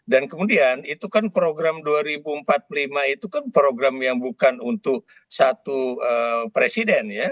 dan kemudian itu kan program dua ribu empat puluh lima itu kan program yang bukan untuk satu presiden ya